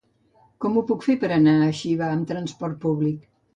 Com ho puc fer per anar a Xiva amb transport públic?